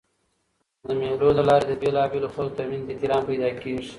د مېلو له لاري د بېلابېلو خلکو تر منځ احترام پیدا کېږي.